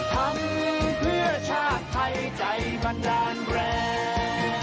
ทำเพื่อชาติไทยใจบันดาลแรง